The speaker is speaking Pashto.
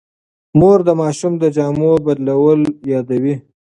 مور د ماشوم د جامو بدلول یادوي.